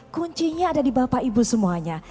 kuncinya ada di bapak ibu semuanya